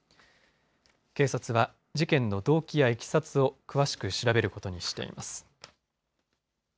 警察は事件の動機やいきさつを詳しく調べることにしています。